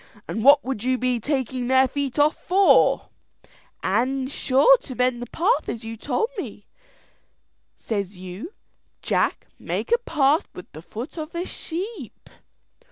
and what would you be taking their feet off for?" "An' sure to mend the path as you told me. Says you, 'Jack, make a path with the foot of the sheep.'"